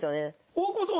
大久保さん